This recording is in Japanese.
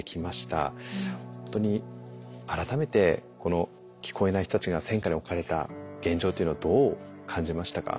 本当に改めてこの聞こえない人たちが戦禍に置かれた現状というのをどう感じましたか？